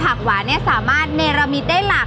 เพราะว่าผักหวานจะสามารถทำออกมาเป็นเมนูอะไรได้บ้าง